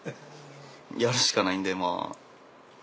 やるしかないんでまあ。